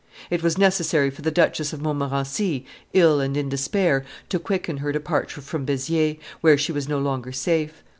It was necessary for the Duchess of Montmorency, ill and in despair, to quicken her departure from Beziers, where she was no longer safe.